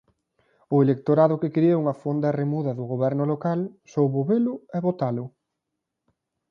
O electorado que quería unha fonda remuda do goberno local soubo velo e votalo.